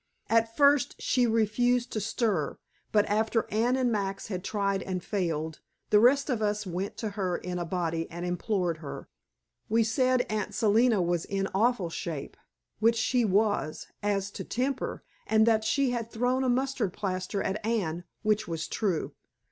At first she refused to stir, but after Anne and Max had tried and failed, the rest of us went to her in a body and implored her. We said Aunt Selina was in awful shape which she was, as to temper and that she had thrown a mustard plaster at Anne, which was true.